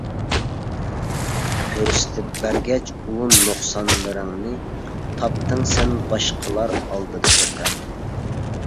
كۆرسىتىپ بەرگەچ ئۇ نۇقسانلىرىڭنى، تاپتىڭ سەن باشقىلار ئالدىدا شۆھرەت.